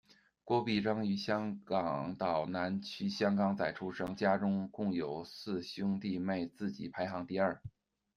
郭必铮于香港岛南区香港仔出生，家中共有四兄弟妹，自己排行第二。